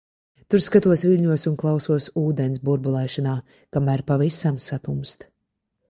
Tur skatos viļņos un klausos ūdens burbulēšanā, kamēr pavisam satumst.